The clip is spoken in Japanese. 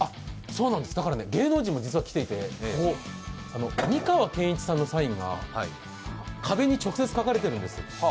そうなんです、だから芸能人も実は来ていて、美川憲一さんのサインが壁に直接書かれてるんです。